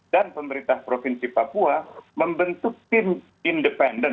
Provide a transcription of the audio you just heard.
dan pemerintah provinsi papua membentuk tim independen